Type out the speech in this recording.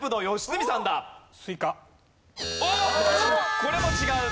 これも違う。